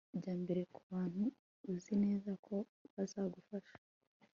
Jya mbere kubantu uzi neza ko bazagufasha